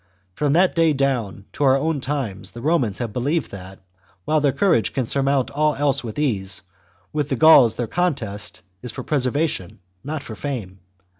From that day down to our own times the Romans have believed that, while their courage can surmount all else with ease, with the Gauls their contest is for preservation, not for fame.